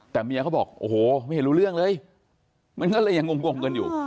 แต่เมียเขาบอกโอ้โหไม่เห็นรู้เรื่องเลยมันก็เลยยังงงกันอยู่